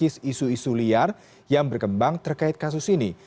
isis isu isu liar yang berkembang terkait kasus ini